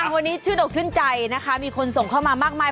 วันนี้ชื่นอกชื่นใจนะคะมีคนส่งเข้ามามากมาย